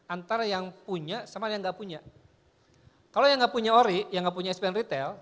antara yang punya sama yang nggak punya kalau yang nggak punya ori yang nggak punya spn retail